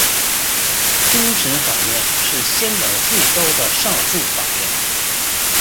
终审法院是香港最高的上诉法院。